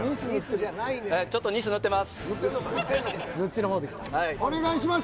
ちょっとニス塗ってます。